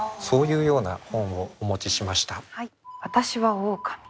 そういうような本をお持ちしました。